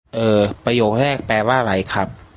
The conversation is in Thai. เอ่อ ประโยคแรกแปลว่าไรครับ?